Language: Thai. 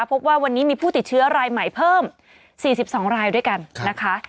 พบว่าวันนี้มีผู้ติดเชื้อรายใหม่เพิ่ม๔๒รายด้วยกันนะคะ